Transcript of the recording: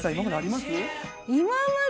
今まで？